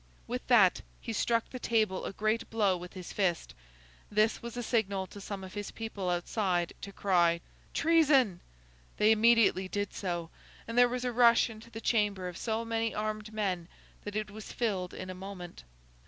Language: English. With that, he struck the table a great blow with his fist. This was a signal to some of his people outside to cry 'Treason!' They immediately did so, and there was a rush into the chamber of so many armed men that it was filled in a moment.